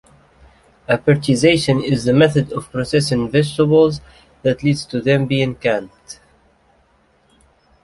Appertization is the method of processing vegetables that leads to them being canned.